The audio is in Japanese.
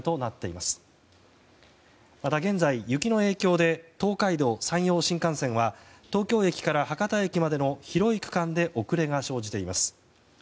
また現在、雪の影響で東海道・山陽新幹線は東京駅から博多駅までの広い区間で遅れが生じています。